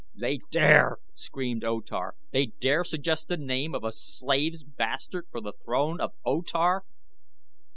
"They dare?" screamed O Tar. "They dare suggest the name of a slave's bastard for the throne of O Tar!"